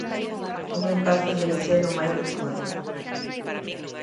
O meu caso debe ser o máis rechamante.